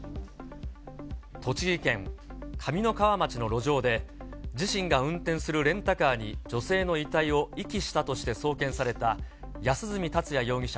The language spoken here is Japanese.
栃木県上三川町の路上で、自身が運転するレンタカーに、女性の遺体を遺棄したとして送検された安栖達也容疑者